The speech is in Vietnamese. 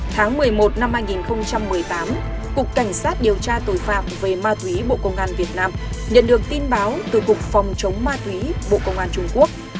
tháng một mươi một năm hai nghìn một mươi tám cục cảnh sát điều tra tội phạm về ma túy bộ công an việt nam nhận được tin báo từ cục phòng chống ma túy bộ công an trung quốc